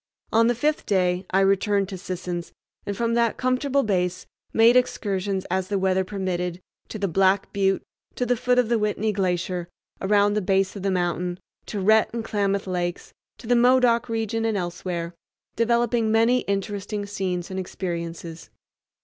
On the fifth day I returned to Sisson's, and from that comfortable base made excursions, as the weather permitted, to the Black Butte, to the foot of the Whitney Glacier, around the base of the mountain, to Rhett and Klamath Lakes, to the Modoc region and elsewhere, developing many interesting scenes and experiences.